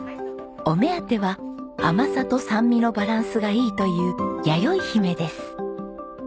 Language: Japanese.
お目当ては甘さと酸味のバランスがいいという「やよいひめ」です。